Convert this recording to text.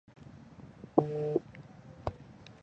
英国传教士李德立就是在这种背景下来到庐山。